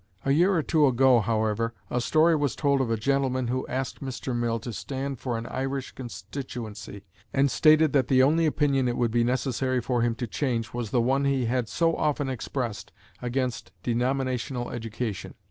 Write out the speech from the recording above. A year or two ago, however, a story was told of a gentleman who asked Mr. Mill to stand for an Irish constituency, and stated that the only opinion it would be necessary for him to change was the one he had so often expressed against denominational education.